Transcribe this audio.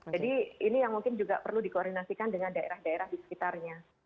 jadi ini yang mungkin juga perlu dikoordinasikan dengan daerah daerah di sekitarnya